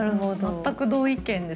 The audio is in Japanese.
全く同意見ですね。